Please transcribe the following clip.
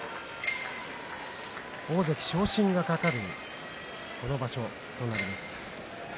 大関昇進が懸かるこの場所となります。